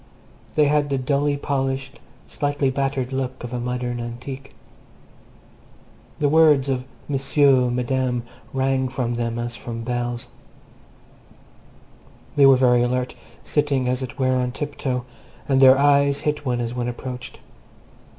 They had the dully polished, slightly battered look of a modern antique. The words "M'sieu, Madame" rang from them as from bells. They were very alert, sitting, as it were, on tiptoe, and their eyes hit one as one approached.